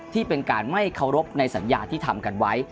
ที่เป็นการไม่เคารพในสัญญาที่ทำกันไว้